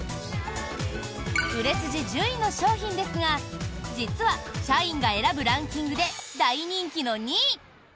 売れ筋１０位の商品ですが実は、社員が選ぶランキングで大人気の２位！